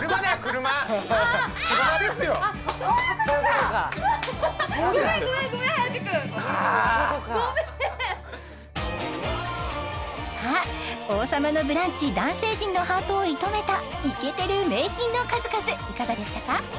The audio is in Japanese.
ああっ車ですよそういうことかそういうことかゴメンゴメンゴメン颯くんゴメンさあ「王様のブランチ」男性陣のハートを射止めたイケてる名品の数々いかがでしたか？